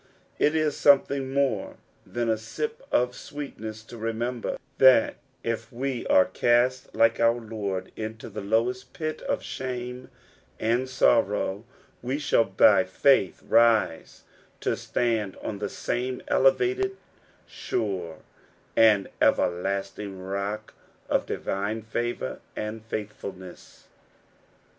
It is something more than a "sip of sweetness" to remember that if we are cast like our Lord into the lowest pit of shame and sorrow, we shall by faith rise to stand on the same elevated, sure, and everlasting lock of divine favour and faithfulness.